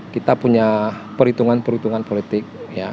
kita punya perhitungan perhitungan politik